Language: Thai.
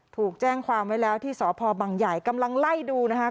ถูกแจ้งความไว้แล้วที่สพบังใหญ่กำลังไล่ดูนะคะ